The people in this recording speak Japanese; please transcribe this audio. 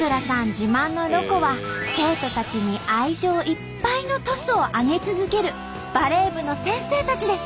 自慢のロコは生徒たちに愛情いっぱいのトスをあげ続けるバレー部の先生たちでした！